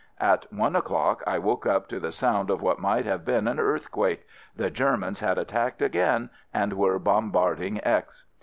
At one o'clock I woke up to the sound of what might have been an earthquake — the Germans had at tacked again and were bombarding X